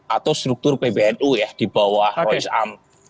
atau struktur pbnu ya di bawah roy sam